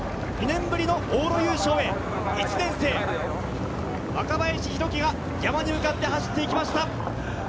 ２年ぶりの往路優勝へ、１年生・若林宏樹が山に向かって走って行きました。